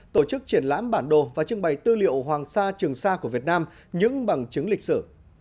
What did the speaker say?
tổ chức triển lãm bản đồ và trưng bày tư liệu hoàng sa trường sa của việt nam những bằng chứng lịch sử